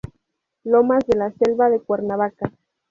Lomas de la Selva de Cuernavaca.